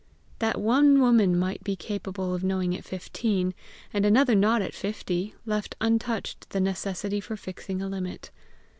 That one woman might be capable of knowing at fifteen, and another not at fifty, left untouched the necessity for fixing a limit.